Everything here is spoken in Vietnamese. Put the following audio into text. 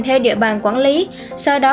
theo địa bàn quản lý sau đó